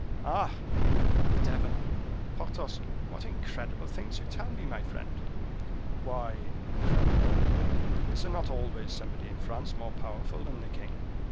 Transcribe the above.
"Ah! the devil! Porthos: what incredible things you tell me, my friend!" "Why incredible? Is there not always somebody in France more powerful than the king?"